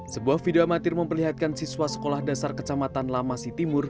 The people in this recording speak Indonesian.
sebuah video amatir memperlihatkan siswa sekolah dasar kecamatan lamasi timur